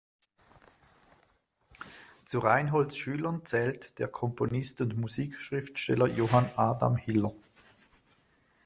Zu Reinholds Schülern zählt der Komponist und Musikschriftsteller Johann Adam Hiller.